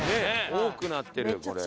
多くなってるこれ。